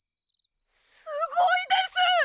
すごいです！